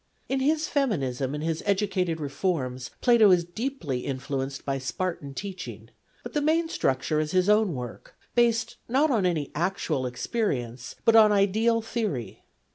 In his feminism and his educational reforms, Plato is deeply influenced by Spartan teaching, but the main structure is his own work, based not on any actual experience, but on ideal theory.